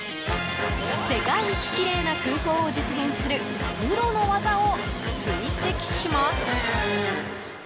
世界一きれいな空港を実現するプロの技を追跡します。